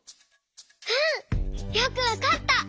うん！よくわかった！